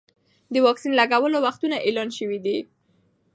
د واکسین لګولو وختونه اعلان شوي دي.